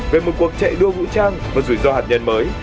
về một cuộc chạy đua vũ trang và rủi ro hạt nhân mới